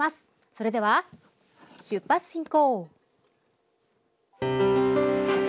それでは出発進行。